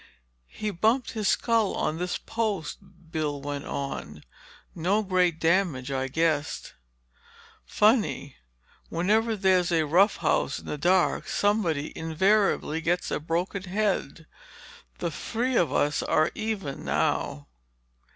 "He bumped his skull on this post," Bill went on. "No great damage, I guess. Funny—whenever there's a rough house in the dark, somebody invariably gets a broken head. The three of us are even now."